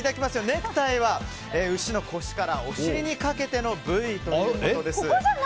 ネクタイは牛の腰からお尻にかけての部位ということです。